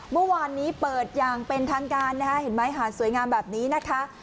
เมื่อวานนี้เปิดอย่างเป็นทางการนะคะเห็นไหมหาดสวยงามแบบนี้นะคะ